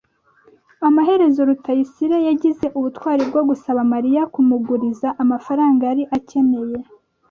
Amaherezo Rutayisire yagize ubutwari bwo gusaba Mariya kumuguriza amafaranga yari akeneye.